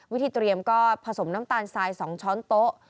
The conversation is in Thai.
วิธีเตรียมก็ผสมน้ำตาลทราย๒ช้อนโต๊ะ